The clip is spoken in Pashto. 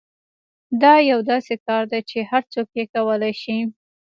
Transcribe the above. دا یو داسې کار دی چې هر څوک یې کولای شي